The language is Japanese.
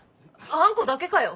あんこだけかよ！